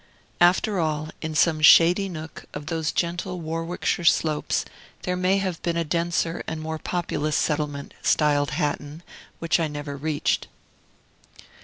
After all, in some shady nook of those gentle Warwickshire slopes there may have been a denser and more populous settlement, styled Hatton, which I never reached.